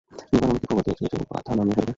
নিবারণকে খবর দিয়েছি, এসেই ব্যথা নামিয়ে ফেলবে!